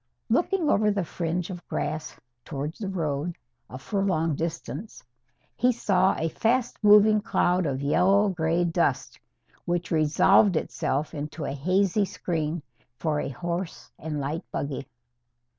Looking over the fringe of grass, towards the road, a furlong distant, he saw a fast moving cloud of yellow grey dust, which resolved itself into a hazy screen for a horse and light buggy.